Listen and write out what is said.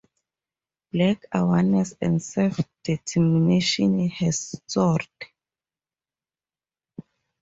Black awareness and self-determination has soared.